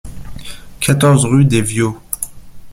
quatorze rue des Vios